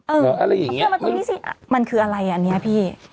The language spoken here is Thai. เออเอาเพื่อนมาตรงนี้สิมันคืออะไรอันนี้พี่